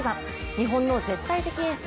日本の絶対的エース